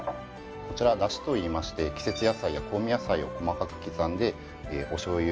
こちらだしといいまして季節野菜や香味野菜を細かく刻んでおしょうゆ